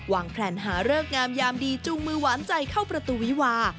แพลนหาเลิกงามยามดีจูงมือหวานใจเข้าประตูวิวา